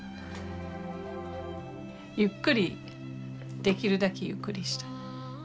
ゆっくりできるだけゆっくりしたい。